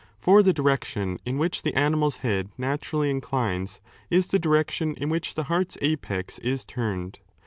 For the direction in which the animal's head naturally inclines is the direction in which the heart's apex is turned.